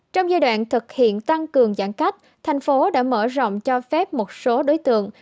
trong giai đoạn thực hiện tăng cường giãn cách thành phố đã mở rộng cho phép một số đối tượng